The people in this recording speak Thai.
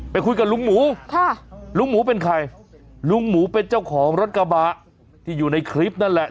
ไปคุยกับลุงหมูค่ะลุงหมูเป็นใครลุงหมูเป็นเจ้าของรถกระบะที่อยู่ในคลิปนั่นแหละ